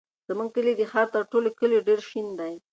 زموږ کلی د ښار تر ټولو کلیو ډېر شین دی.